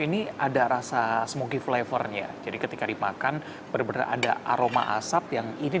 ini ada rasa smokey flavor nya jadi ketika dimakan bener bener ada aroma asap yang ini